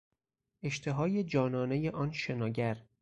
اشتهای جانانهی آن شناگر